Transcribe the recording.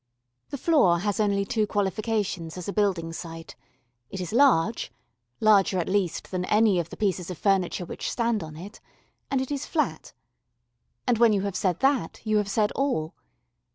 The floor has only two qualifications as a building site. It is large larger at least than any of the pieces of furniture which stand on it and it is flat. And when you have said that you have said all.